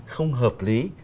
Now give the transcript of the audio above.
không hợp lý